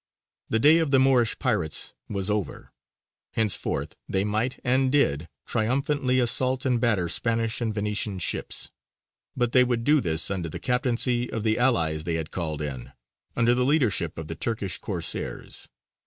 The day of the Moorish pirates was over; henceforth they might, and did, triumphantly assault and batter Spanish and Venetian ships, but they would do this under the captaincy of the allies they had called in, under the leadership of the Turkish Corsairs.